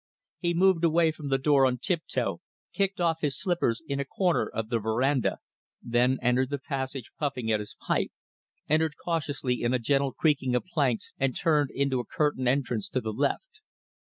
He moved away from the door on tiptoe, kicked off his slippers in a corner of the verandah, then entered the passage puffing at his pipe; entered cautiously in a gentle creaking of planks and turned into a curtained entrance to the left.